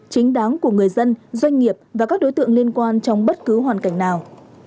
chính đáng của người dân doanh nghiệp và các đối tượng liên quan trong bất cứ hoàn cảnh nào